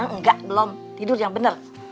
enggak belum tidur yang benar